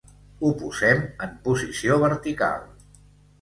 Ho posem en posició vertical.